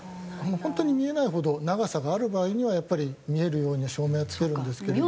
本当に見えないほど長さがある場合にはやっぱり見えるように照明つけるんですけれど。